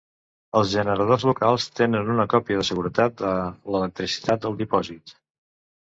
Els generadors locals tenen una còpia de seguretat de l'electricitat del dipòsit.